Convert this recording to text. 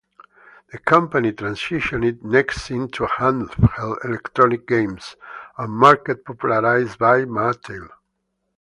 The company transitioned next into handheld electronic games, a market popularized by Mattel.